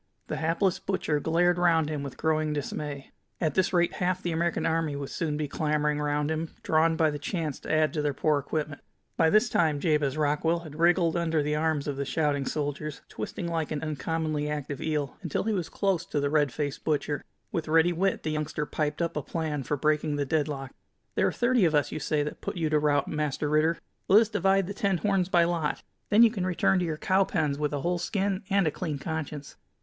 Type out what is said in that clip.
The hapless butcher glared round him with growing dismay. At this rate half the American army would soon be clamoring round him, drawn by the chance to add to their poor equipment. By this time Jabez Rockwell had wriggled under the arms of the shouting soldiers, twisting like an uncommonly active eel, until he was close to the red faced butcher. With ready wit the youngster piped up a plan for breaking the deadlock: "There are thirty of us, you say, that put you to rout, Master Ritter. Let us divide the ten horns by lot. Then you can return to your cow pens with a whole skin and a clean conscience."